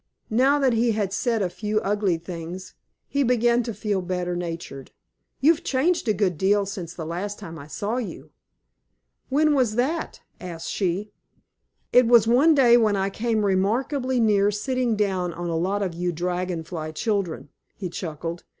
Now that he had said a few ugly things, he began to feel better natured. "You've changed a good deal since the last time I saw you." "When was that?" asked she. "It was one day when I came remarkably near sitting down on a lot of you Dragon Fly children," he chuckled.